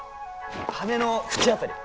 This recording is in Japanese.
羽の縁辺り。